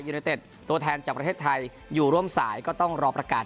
เนเต็ดตัวแทนจากประเทศไทยอยู่ร่วมสายก็ต้องรอประกาศ